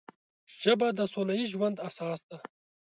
ژبه د سوله ییز ژوند اساس ده